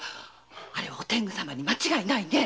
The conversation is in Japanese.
あれお天狗様に間違いないね。